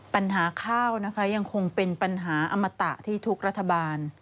ปัญหาข้าวนะคะยังคงเป็นปัญหาอมตะที่ทุกรัฐบาล